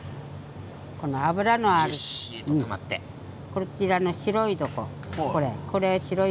こちらの白いところね